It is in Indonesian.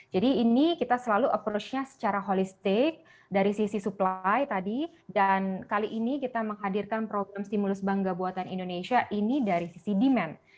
ini kita selalu approach nya secara holistik dari sisi supply tadi dan kali ini kita menghadirkan program stimulus bangga buatan indonesia ini dari sisi demand